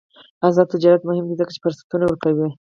آزاد تجارت مهم دی ځکه چې فرصتونه ورکوي.